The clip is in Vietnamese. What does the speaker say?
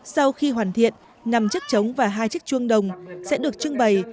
sau khi hoàn thiện năm chiếc trống và hai chiếc chuông đồng sẽ được trưng bày